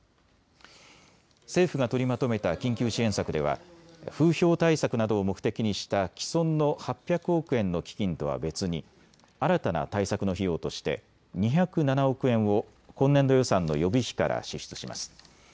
政府が取りまとめた緊急支援策では風評対策などを目的にした既存の８００億円の基金とは別に新たな対策の費用として２０７億円を今年度予算の予備費から支出します。